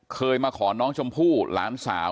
เคยมาขอน้องชมพู่หลานสาว